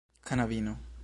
knabino